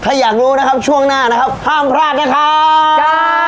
อยากรู้นะครับช่วงหน้านะครับห้ามพลาดนะครับ